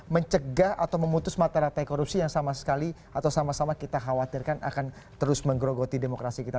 mencegah atau memutus mata rantai korupsi yang sama sekali atau sama sama kita khawatirkan akan terus menggerogoti demokrasi kita